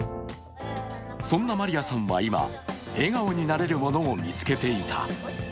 そんなマリヤさんは今、笑顔になれるものを見つけていた。